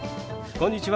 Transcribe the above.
こんにちは！